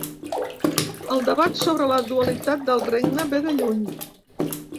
El debat sobre la dualitat del regne ve de lluny.